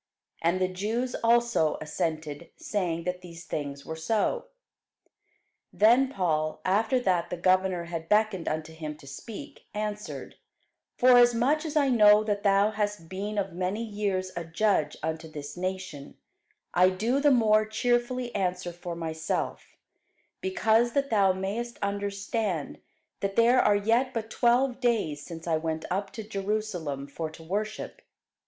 And the Jews also assented, saying that these things were so. Then Paul, after that the governor had beckoned unto him to speak, answered, Forasmuch as I know that thou hast been of many years a judge unto this nation, I do the more cheerfully answer for myself: because that thou mayest understand, that there are yet but twelve days since I went up to Jerusalem for to worship.